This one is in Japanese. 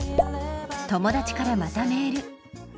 友達からまたメール。